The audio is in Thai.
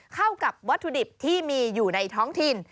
เข้ากับวัตถุดิบที่มีอยู่ในท้องถิ่น